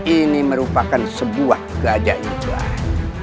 ini merupakan sebuah keajaiban